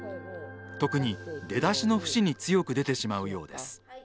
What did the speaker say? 特に出だしの節に強く出てしまうようです。